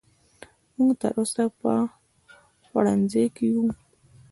موږ تر اوسه په خوړنځای کې وو.